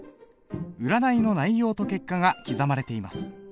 占いの内容と結果が刻まれています。